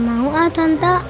gak mau ah tante